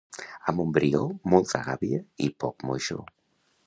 A Montbrió, molta gàbia i poc moixó.